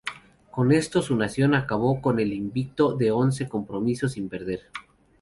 Con esto su nación acabó con el invicto de once compromisos sin perder.